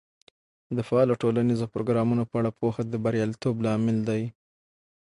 د فعالو ټولنیزو پروګرامونو په اړه پوهه د بریالیتوب لامل دی.